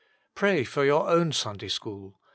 Pray for your own Sunday school.